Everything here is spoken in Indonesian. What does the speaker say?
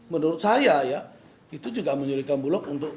menurut saya ya itu juga menyulitkan bulog untuk